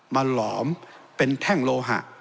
หลอมเป็นแท่งโลหะ